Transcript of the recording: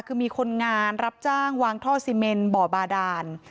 คือมีคนงานรับจ้างวางท่อซีเมนบ่อบาดาน